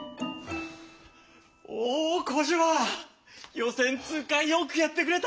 予選通過よくやってくれた！